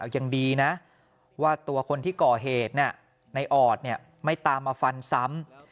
ยังดีนะว่าตัวคนที่ก่อเหตุในออดไม่ตามมาฟันซ้ำ